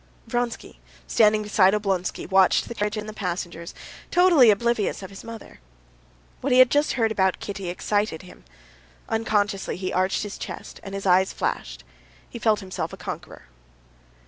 Vronsky, standing beside Oblonsky, watched the carriages and the passengers, totally oblivious of his mother. What he had just heard about Kitty excited and delighted him. Unconsciously he arched his chest, and his eyes flashed. He felt himself a conqueror.